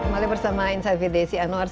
kembali bersama insight vdc anwar